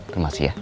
ketengah sih ya